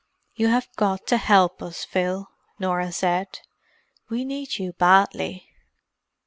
"You have got to help us, Phil," Norah said. "We need you badly."